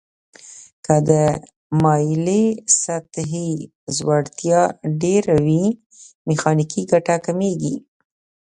که د مایلې سطحې ځوړتیا ډیر وي میخانیکي ګټه کمیږي.